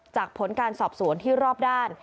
ผลการสอบสวนที่รอบด้าน